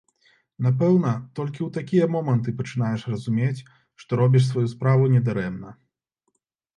Напэўна, толькі ў такія моманты пачынаеш разумець, што робіш сваю справу не дарэмна.